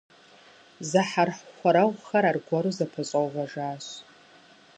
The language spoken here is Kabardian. Зэхьэрхуэрэгъухэр аргуэру зэпэщӀэувэжащ.